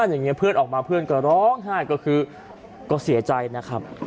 อย่างนี้เพื่อนออกมาเพื่อนก็ร้องไห้ก็คือก็เสียใจนะครับ